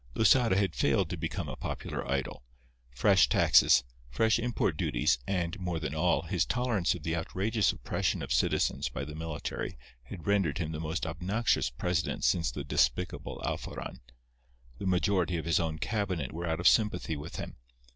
Losada had failed to become a popular idol. Fresh taxes, fresh import duties and, more than all, his tolerance of the outrageous oppression of citizens by the military had rendered him the most obnoxious president since the despicable Alforan. The majority of his own cabinet were out of sympathy with him.